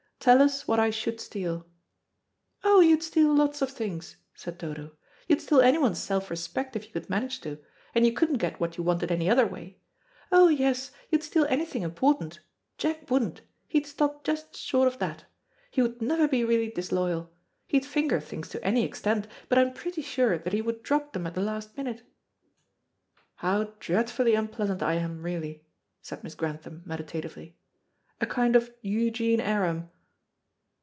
"Tell us what I should steal." "Oh, you'd steal lots of things," said Dodo. "You'd steal anyone's self respect if you could manage to, and you couldn't get what you wanted any other way. Oh, yes, you'd steal anything important. Jack wouldn't. He'd stop just short of that; he would never be really disloyal. He'd finger things to any extent, but I am pretty sure that he would drop them at the last minute." "How dreadfully unpleasant I am really," said Miss Grantham meditatively. "A kind of Eugene Aram."